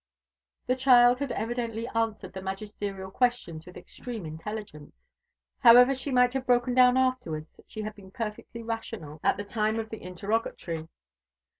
The child had evidently answered the magisterial questions with extreme intelligence. However she might have broken down afterwards, she had been perfectly rational at the time of the interrogatory.